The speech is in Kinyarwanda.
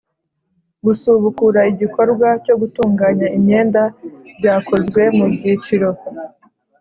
Gusubukura igikorwa cyo gutunganya imyenda byakozwe mu byiciro